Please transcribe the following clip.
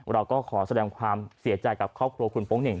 เราก็ขอแสดงความเสียใจกับครอบครัวคุณโป๊งเหน่ง